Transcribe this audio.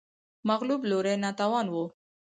مغلوب لوری ناتوان و